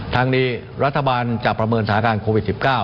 ทางนี้รัฐบาลจะประเมินสถานการณ์โควิด๑๙